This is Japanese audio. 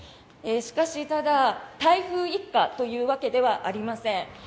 しかし、ただ、台風一過というわけではありません。